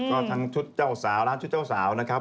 ก็ทั้งชุดเจ้าสาวร้านชุดเจ้าสาวนะครับ